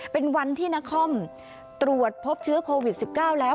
เป็นวันที่นครตรวจพบเชื้อโควิด๑๙แล้ว